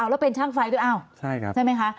แล้วเป็นช่างไฟด้วยอ้าวใช่ไหมคะ